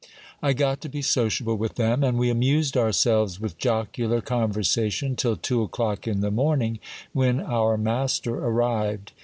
I got to besociable with them ; and we amused ourselves with jocular conversation till two o'clock in the morning, when our master arrived.